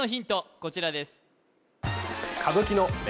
こちらです